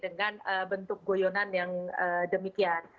dan dengan goyongan yang demikian